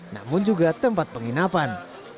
namun juga tempat penginapan